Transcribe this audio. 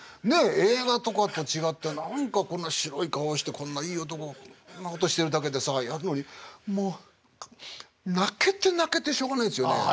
映画とかと違ってこんな白い顔したこんないい男がこんなことしてるだけでさやるのにもう泣けて泣けてしょうがないんですよね。